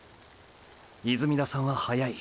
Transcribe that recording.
泉田さんは速い。